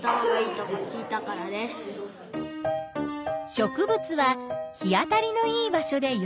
植物は日当たりのいい場所でよく育つ。